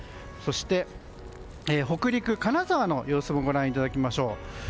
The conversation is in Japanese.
そして、北陸の金沢の様子もご覧いただきましょう。